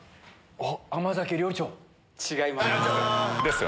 違います。